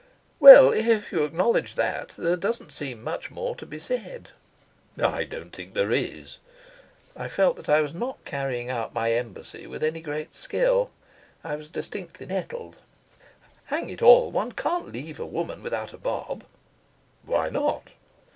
"Well, if you acknowledge that, there doesn't seem much more to be said." "I don't think there is." I felt that I was not carrying out my embassy with any great skill. I was distinctly nettled. "Hang it all, one can't leave a woman without a bob." "Why not?"